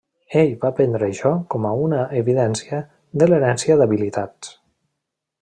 Ell va prendre això com a una evidència de l'herència d'habilitats.